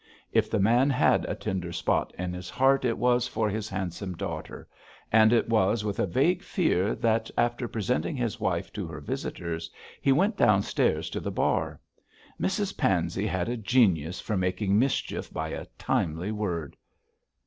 If the man had a tender spot in his heart it was for his handsome daughter; and it was with a vague fear that, after presenting his wife to her visitors, he went downstairs to the bar. Mrs Pansey had a genius for making mischief by a timely word.